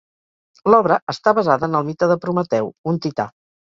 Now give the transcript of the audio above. L'obra està basada en el mite de Prometeu, un tità.